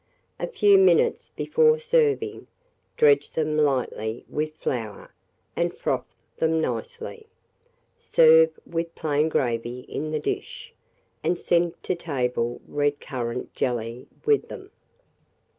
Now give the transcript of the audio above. A few minutes before serving, dredge them lightly with flour, and froth them nicely. Serve with plain gravy in the dish, and send to table red currant jelly with them.